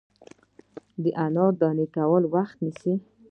د انار دانې کول وخت نیسي.